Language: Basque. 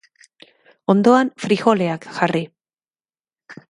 Ondoan, frijoleak jarri.